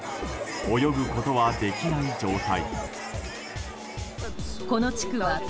泳ぐことは出来ない状態。